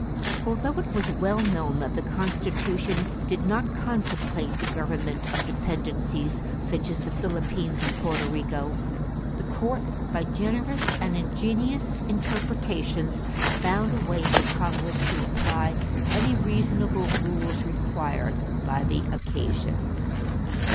Although it was well known that the Constitution did not contemplate the government of dependencies, such as the Philippines and Porto Rico, the Court, by generous and ingenious interpretations, found a way for Congress to apply any reasonable rules required by the occasion.